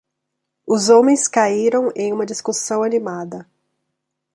Os homens caíram em uma discussão animada.